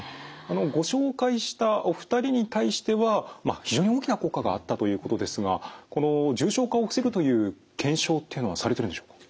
ご紹介したお２人に対しては非常に大きな効果があったということですがこの重症化を防ぐという検証っていうのはされているんでしょうか？